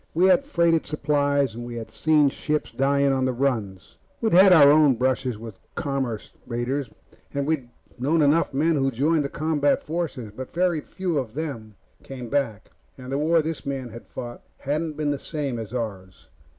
We had freighted supplies, and we had seen ships dying on the runs we'd had our own brushes with commerce raiders, and we'd known enough men who joined the combat forces. But very few of the men came back, and the war this man had fought hadn't been the same as ours.